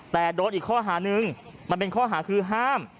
แต่โดนอีกข้อหานึงมันเป็นข้อหาคือห้าม